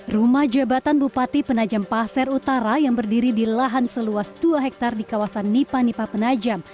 rumah jabatan bupati penajam pasir utara yang berdiri di lahan seluas dua hektare di kawasan nipa nipah penajam